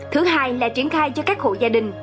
thứ hai là triển khai cho các hộ gia đình